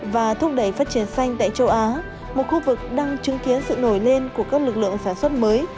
và thúc đẩy phát triển xanh tại châu á một khu vực đang chứng kiến sự nổi lên của các lực lượng sản xuất mới